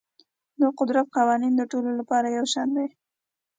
د قدرت قوانین د ټولو لپاره یو شان دي.